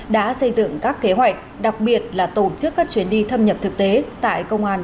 đã xây dựng các kế hoạch đặc biệt là tổ chức các chuyến đi thâm nhập thực tế tại công an